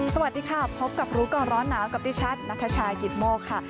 สวัสดีค่ะพบกับรู้ก่อนร้อนหนาวกับดิฉันนัทชายกิตโมกค่ะ